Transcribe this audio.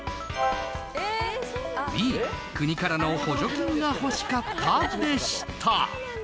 Ｂ、国からの補助金が欲しかったでした。